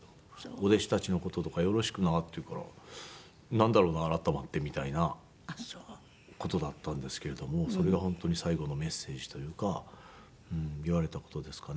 「お弟子たちの事とかよろしくな」って言うからなんだろうな改まってみたいな事だったんですけれどもそれが本当に最後のメッセージというか言われた事ですかね